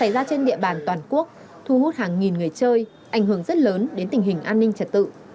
ra trên địa bàn toàn quốc thu hút hàng nghìn người chơi ảnh hưởng rất lớn đến tình hình an ninh trật tự